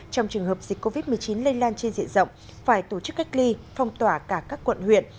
trong trường hợp dịch covid một mươi chín lây lan trên diện rộng phải tổ chức cách ly phong tỏa cả các quận huyện